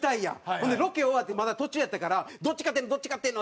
ほんでロケ終わってまだ途中やったから「どっち勝ってんの？どっち勝ってんの？」